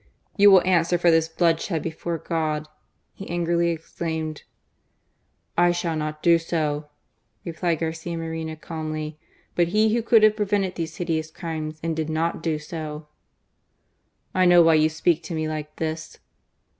v . "You will answer for this bloodshed before God," he angrily exclaimed. THE FIGHT OF J AM BELL 167 "/ shall not do so," replied Garcia Moreno, calmly, "but he who could have prevented these hideous crimes and did not do so." " I know why you speak to me like this